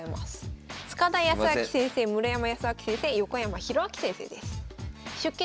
塚田泰明先生村山慈明先生横山泰明先生です。